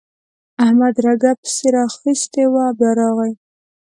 احمد رګه پسې راخيستې وه؛ بيا راغی.